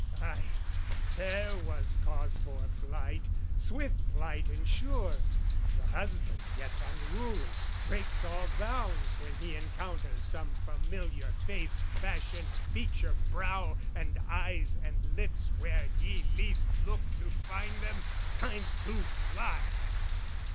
Ay, there was cause for flight, swift flight and sure! The husband gets unruly, breaks all bounds When he encounters some familiar face, Fashion of feature, brow and eyes and lips Where he least looked to find them, time to fly!